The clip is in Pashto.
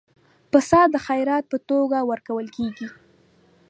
پسه د خیرات په توګه ورکول کېږي.